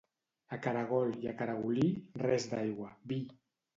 A caragol i a caragolí, res d'aigua: vi!